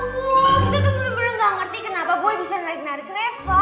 kita tuh bener bener gak ngerti kenapa boy bisa narik narik reva